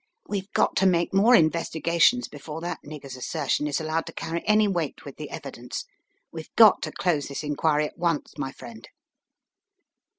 "We've got to make more investigations before that nigger's assertion is allowed to carry any weight with the evidence. We've got to close this inquiry at once, my friend!"